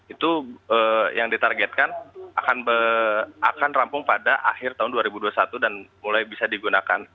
itu yang ditargetkan akan rampung pada akhir tahun dua ribu dua puluh satu dan mulai bisa digunakan